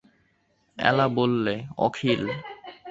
এলা বললে, অখিল।